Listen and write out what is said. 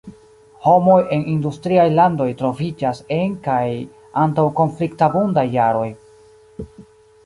Homoj en industriaj landoj troviĝas en kaj antaŭ konflikt-abundaj jaroj.